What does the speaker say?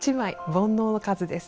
煩悩の数です。